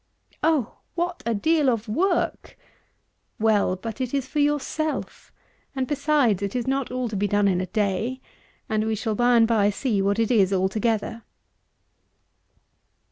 Oh! "what a deal of work!" Well! but it is for yourself, and, besides, it is not all to be done in a day; and we shall by and by see what it is altogether.